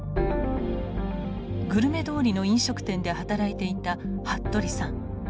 グルメ通りの飲食店で働いていた服部さん。